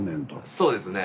そうですねえ。